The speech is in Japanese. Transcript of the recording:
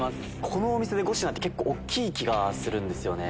このお店で５品って結構大きい気がするんですよね。